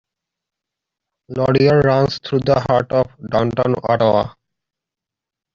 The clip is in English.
Laurier runs through the heart of downtown Ottawa.